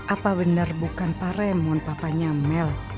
apa benar bukan pak raymond papanya mel